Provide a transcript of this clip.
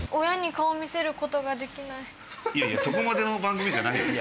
いやいやそこまでの番組じゃないのよ。